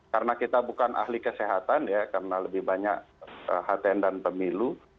karena kita bukan ahli kesehatan ya karena lebih banyak haten dan pemilu